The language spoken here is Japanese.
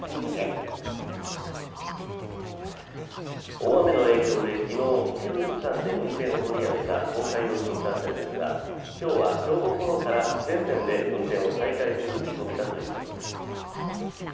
大雨の影響で昨日、一部区間で運転を取りやめた東海道新幹線ですが今日は正午ごろから全線で運転を再開する見込みだということです。